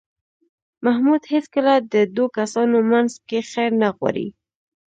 محمود هېڅکله د دو کسانو منځ کې خیر نه غواړي.